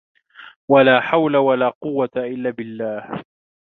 وَلَا حَوْلَ وَلَا قُوَّةَ إلَّا بِاَللَّهِ